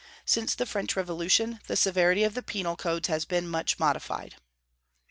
Since the French Revolution the severity of the penal codes has been much modified.